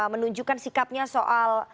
menunjukkan sikapnya soal